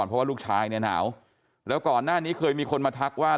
เพราะว่าลูกชายเนี่ยหนาวแล้วก่อนหน้านี้เคยมีคนมาทักว่า